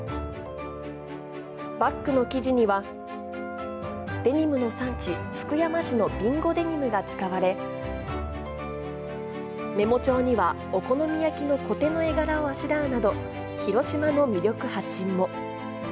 バックの生地には、デニムの産地、福山市の備後デニムが使われ、メモ帳にはお好み焼きのコテの絵柄をあしらうなど、広島の魅力発信も。